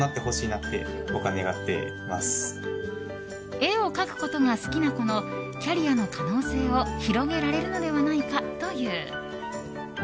絵を描くことが好きな子のキャリアの可能性を広げられるのではないかという。